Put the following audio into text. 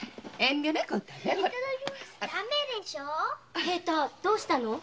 平太どうしたの？